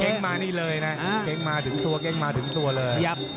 เก๊งมานี่เลยนะเก๊งมาถึงตัวเลย